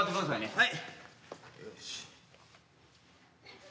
はい。